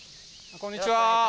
こんにちは